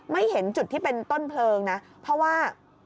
เห็นจุดที่เป็นต้นเพลิงนะเพราะว่า